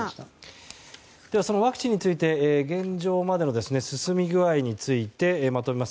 そのワクチンについて現状までの進み具合についてまとめます。